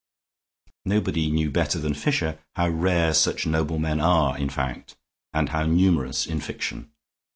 Nobody knew better than Fisher how rare such noblemen are in fact, and how numerous in fiction.